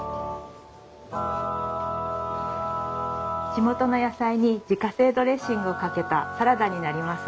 地元の野菜に自家製ドレッシングをかけたサラダになります。